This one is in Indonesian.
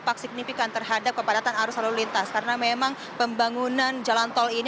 dampak signifikan terhadap kepadatan arus lalu lintas karena memang pembangunan jalan tol ini